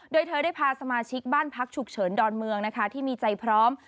โดยเธอได้พาสมาชิกบ้านพักฉุกเฉินดอนเมืองนะคะที่มีใจพร้อม